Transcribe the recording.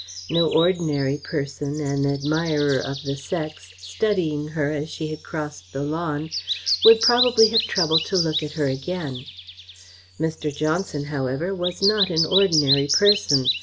No ordinary person, an admirer of the sex, studying her as she had crossed the lawn, would probably have troubled to look at her again; Mr. Johnson, however, was not an ordinary person.